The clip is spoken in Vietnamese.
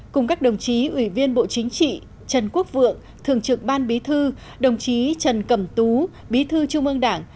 cùng các đồng chí ủy viên bộ chính trị trần quốc vượng thường trực ban bí thư đồng chí trần cẩm tú bí thư trung ương đảng